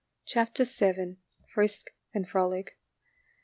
CHAPTER VII. FRISK AND FROLIC.